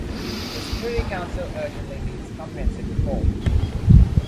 The Security Council urgently needs comprehensive reform.